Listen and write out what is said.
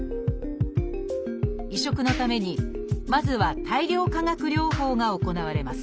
移植のためにまずは「大量化学療法」が行われます。